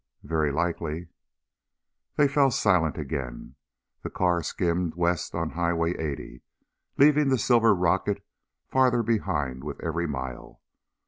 "Very likely." They fell silent again. The car skimmed west on Highway 80, leaving the silver rocket farther behind with every mile.